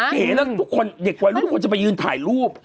เห็นแล้วทุกคนเด็กวัยรุ่นทุกคนจะไปยืนถ่ายรูป